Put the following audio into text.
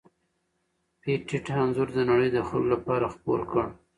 پېټټ انځور د نړۍ د خلکو لپاره خپور کړ.